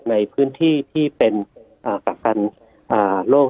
ในพื้นที่ที่เป็นกักกันโรค